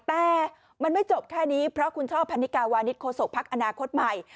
แต่มันไม่จบแค่นี้เพราะคุณชอบพันธิกาวาณิชย์โฆษกภักดิ์อนาคตใหม่